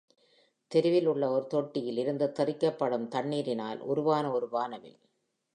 தெருவில் உள்ள ஒரு தொட்டியில் இருந்து தெறிக்கப்படும் தண்ணீரினால் உருவான ஒரு வானவில்